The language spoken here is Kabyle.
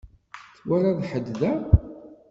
Twalaḍ ḥedd da?